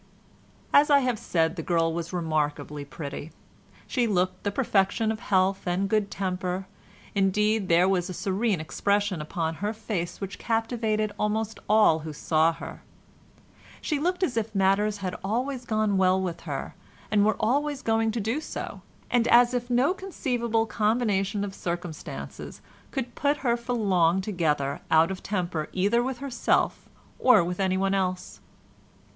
As I have said the girl was remarkably pretty; she looked the perfection of health and good temper, indeed there was a serene expression upon her face which captivated almost all who saw her; she looked as if matters had always gone well with her and were always going to do so, and as if no conceivable combination of circumstances could put her for long together out of temper either with herself or with anyone else.